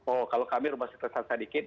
oh kalau kami rumah sakit terasa sedikit